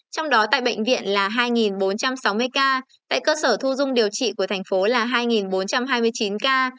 trong đó tại bệnh viện là hai bốn trăm sáu mươi ca tại cơ sở thu dung điều trị của thành phố là hai bốn trăm hai mươi chín ca